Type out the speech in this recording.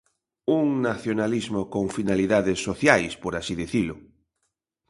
Un nacionalismo con finalidades sociais, por así dicilo.